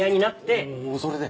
おうそれで？